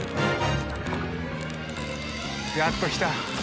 やっときた。